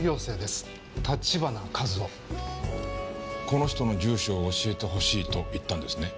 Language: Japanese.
この人の住所を教えて欲しいと言ったんですね？